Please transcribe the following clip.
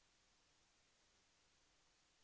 โปรดติดตามต่อไป